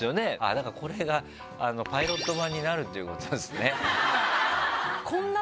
だからこれがパイロット版になるということですね。